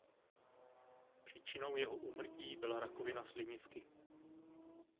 Příčinou jeho úmrtí byla rakovina slinivky.